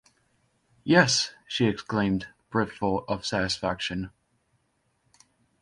“Yes!” she exclaimed, brimful of satisfaction.